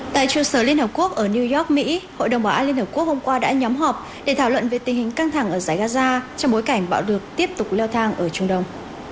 tại trường sở liên hợp quốc ở new york mỹ hội đồng bảo an liên hợp quốc hôm qua đã nhóm họp để thảo luận về tình hình căng thẳng ở giải gaza trong bối cảnh bạo lực tiếp tục leo thang ở trung đông